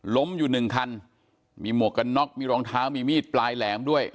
ล้มอยู่หนึ่งคันมีหมวกกันน็อกมีรองเท้ามีมีดปลายแหลมด้วย